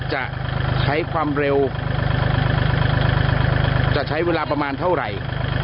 จะใช้ความเร็วจะใช้เวลาประมาณเท่าไหร่